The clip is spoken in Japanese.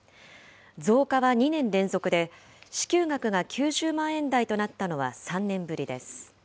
増加は２年連続で、支給額が９０万円台となったのは３年ぶりです。